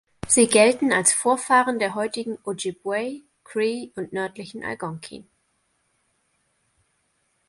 Sie gelten als Vorfahren der heutigen Ojibway, Cree und nördlichen Algonkin.